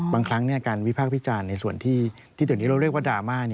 บางครั้งการวิพากษ์วิจารณ์ในส่วนที่เดี๋ยวนี้เราเรียกว่าดราม่า